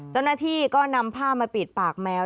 เจ้าหน้าที่ก็นำผ้ามาปิดปากแมว